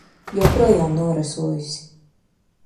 Joprojām norasojusi.